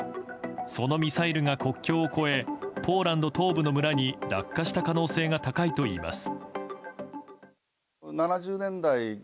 そのミサイルが国境を越えポーランド東部の村に落下した可能性が高いといいます。